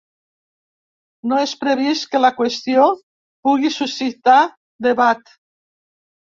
No és previst que la qüestió pugui suscitar debat.